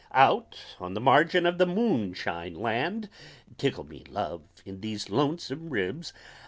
Out on the margin of Moonshine Land, Tickle me, Love, in these Lonesome Ribs!